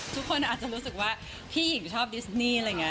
ทุกคนอาจจะรู้สึกว่าพี่หญิงชอบดิสนี